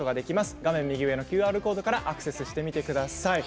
画面右上のＱＲコードからアクセスしてみてください。